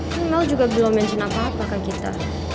kan mel juga belum mention apa apa ke kita